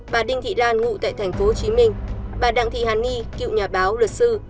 bà đinh thị lan ngụ tại tp hcm bà đặng thị hà nhi cựu nhà báo luật sư